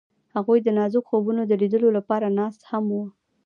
هغوی د نازک خوبونو د لیدلو لپاره ناست هم وو.